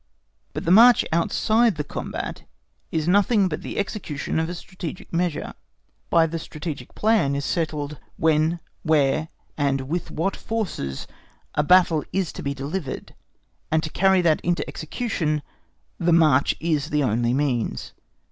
But the march outside the combat is nothing but the execution of a strategic measure. By the strategic plan is settled when, where, and with what forces a battle is to be delivered—and to carry that into execution the march is the only means.